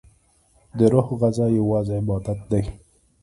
دروح غذا یوازی عبادت دی